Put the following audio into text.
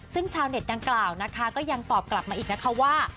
ซึ่งชาวเน็ตดังกล่าวนะคะก็ยังตอบกลับมาอีกนะคะว่า